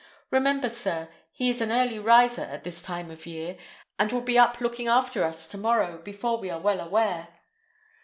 Remember, sir, he is an early riser at this time of year, and will be up looking after us tomorrow before we are well aware."